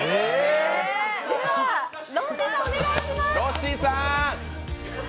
では、ロッシーさんお願いします。